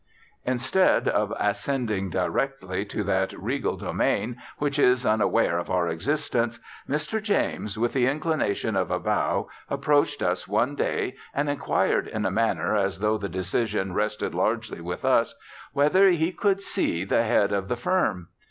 Instead of ascending directly to that regal domain which is unaware of our existence, Mr. James, with the inclination of a bow, approached us one day and inquired, in a manner as though the decision rested largely with us, whether he "could see" the head of the firm.